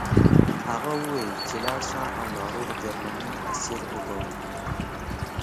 هغه وویل چې لاړ شه او ناروغ جرمنی اسیر وګوره